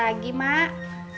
mak mak lagi mak